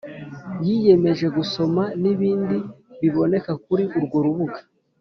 yiyemeje gusoma n’ibindi biboneka kuri urwo rubuga